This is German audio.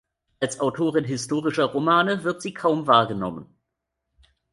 Als Autorin historischer Romane wird sie kaum wahrgenommen.